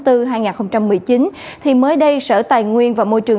thì mới đây sở tài nguyên và môi trường